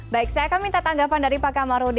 baik saya akan minta tanggapan dari pak kamarudi